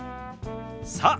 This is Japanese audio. さあ